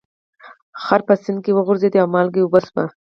خر په سیند کې وغورځید او مالګه اوبه شوه.